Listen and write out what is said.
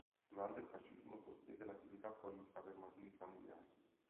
Durante il fascismo sospese l'attività politica per motivi famigliari.